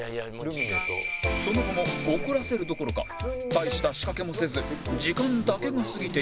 その後も怒らせるどころか大した仕掛けもせず時間だけが過ぎていくので